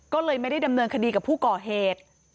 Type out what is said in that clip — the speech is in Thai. ก็เลยไม่ได้ดำเนินคดีกับผู้ก่อเหตุ